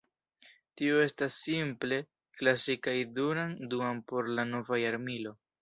Tio estas simple "klasikaj Duran Duran por la nova jarmilo".